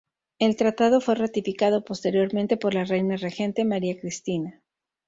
El tratado fue ratificado posteriormente por la reina regente María Cristina.